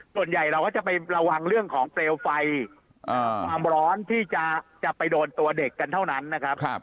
ส่วนใหญ่เราก็จะไประวังเรื่องของเปลวไฟความร้อนที่จะไปโดนตัวเด็กกันเท่านั้นนะครับ